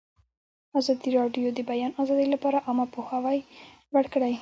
ازادي راډیو د د بیان آزادي لپاره عامه پوهاوي لوړ کړی.